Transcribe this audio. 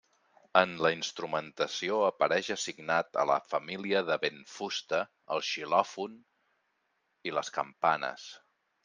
En la instrumentació apareix assignat a la família de vent-fusta, el xilòfon i les campanes.